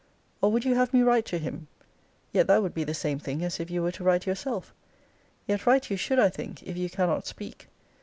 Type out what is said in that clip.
Or would you have me write to him? yet that would be the same thing as if you were to write yourself. Yet write you should, I think, if you cannot speak.